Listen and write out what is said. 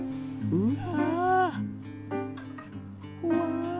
うわ。